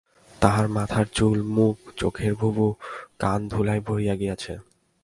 তাহার মাথার চুল, মুখ, চোখের ভুবু, কান ধুলায় ভরিয়া গিয়াছে।